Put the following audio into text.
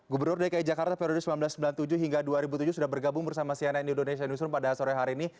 gubernur dki jakarta periode seribu sembilan ratus sembilan puluh tujuh hingga dua ribu tujuh sudah bergabung bersama cnn indonesia newsroom pada sore hari ini